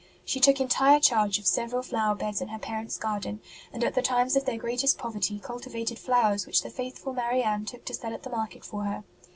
She took entire charge of several flower beds in her parents garden, and at the times of their greatest poverty cultivated flowers which the faithful Marianne took to sell at the market for her.